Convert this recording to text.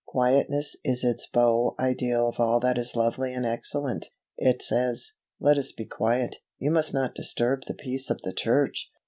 Quietness is its beau ideal of all that is lovely and excellent. It says, "Let us be quiet; you must not disturb the peace of the church."